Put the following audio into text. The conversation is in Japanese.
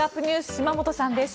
島本さんです。